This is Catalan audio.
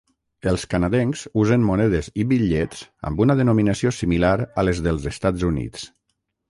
Els canadencs usen monedes i bitllets amb una denominació similar a les dels Estats Units.